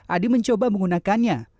adi mencoba menggunakannya